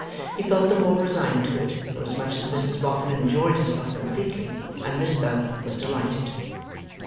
He felt the more resigned to it, forasmuch as Mrs Boffin enjoyed herself completely, and Miss Bella was delighted.